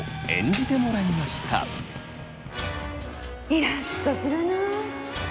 イラっとするな。